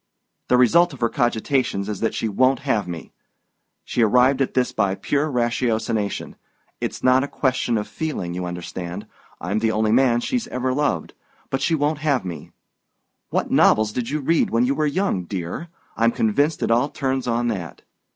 "The result of her cogitations is that she won't have me. She arrived at this by pure ratiocination it's not a question of feeling, you understand. I'm the only man she's ever loved but she won't have me. What novels did you read when you were young, dear? I'm convinced it all turns on that.